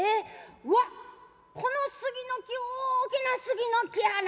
わっこの杉の木大きな杉の木やな。